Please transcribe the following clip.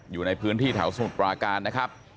อยู่ในพื้นที่แถวสมุทรปราการนะครับ